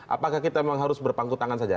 apakah kita memang harus berpangku tangan saja